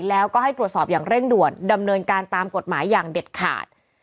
แล้วก็ให้ตรวจสอบอย่างเร่งด่วนดำเนินการตามกฎหมายอย่างเด็ดขาด